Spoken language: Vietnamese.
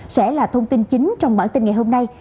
sẽ là thông tin chính trong bản tin ngày hôm nay